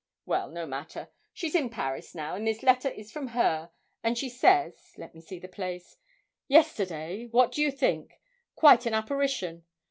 'Well, no matter; she's in Paris now, and this letter is from her, and she says let me see the place "Yesterday, what do you think? quite an apparition!